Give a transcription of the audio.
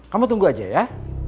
kamu tunggu aja ya